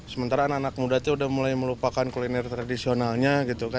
sementara anak anak muda itu sudah mulai melupakan kuliner tradisionalnya